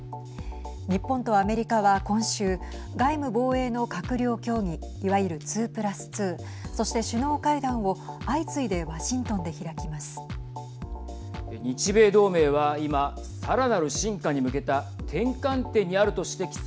日本とアメリカは今週外務・防衛の閣僚協議いわゆる２プラス２そして首脳会談を相次いでワシントンで開きます。